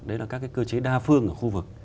đấy là các cái cơ chế đa phương ở khu vực